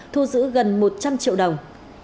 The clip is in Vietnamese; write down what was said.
thu giữ gần một trăm linh triệu đồng